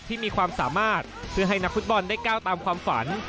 ที่มีความสามารถเพื่อให้นักฟุตบอลได้ก้าวตามความฝัน